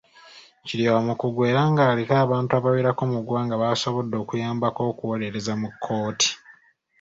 Kiryowa mukugu era ng’aliko abantu abawerako mu ggwanga b’asobodde okuyambako okuwolereza mu kkooti.